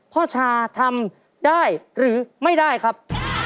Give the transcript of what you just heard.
พ่อชาทำได้หรือไม่ได้ครับ